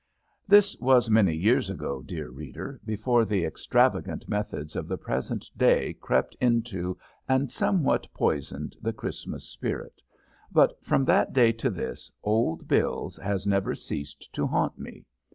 This was many years ago, dear reader, before the extravagant methods of the present day crept into and somewhat poisoned the Christmas spirit, but from that day to this Old Bills has never ceased to haunt me.